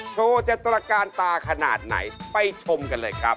โชว์จะตรการตาขนาดไหนไปชมกันเลยครับ